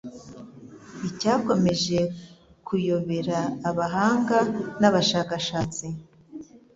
Icyakomeje kuyobera abahanga n'abashakashatsi,